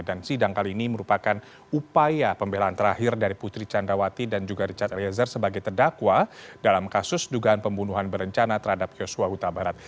dan sidang kali ini merupakan upaya pembelaan terakhir dari putri candrawati dan juga richard eliezer sebagai tedakwa dalam kasus dugaan pembunuhan berencana terhadap yosua huta barat